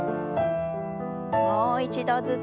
もう一度ずつ。